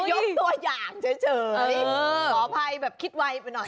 โอ้โหเดี๋ยว